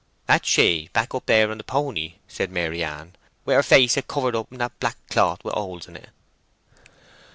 "That's she, back there upon the pony," said Maryann; "wi' her face a covered up in that black cloth with holes in it."